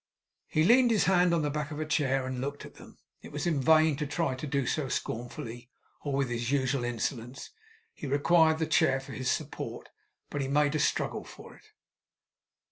He leaned his hand on the back of a chair, and looked at them. It was in vain to try to do so scornfully, or with his usual insolence. He required the chair for his support. But he made a struggle for it.